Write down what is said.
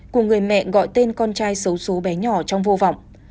của người mẹ gọi tên con trai xấu xố bé nhỏ trong vô vọng